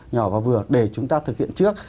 nhỏ và vừa để chúng ta thực hiện trước